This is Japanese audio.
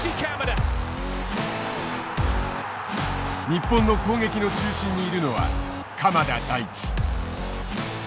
日本の攻撃の中心にいるのは鎌田大地。